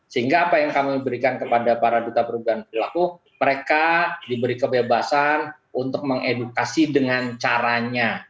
sehingga apa yang kami berikan kepada para duta perubahan perilaku mereka diberi kebebasan untuk mengedukasi dengan caranya